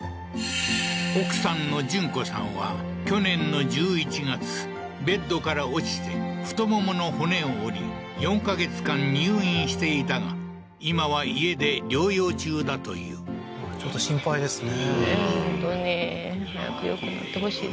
奥さんの順子さんは去年の１１月ベッドから落ちて太ももの骨を折り４か月間入院していたが今は家で療養中だというちょっと心配ですね